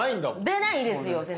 出ないですよ先生。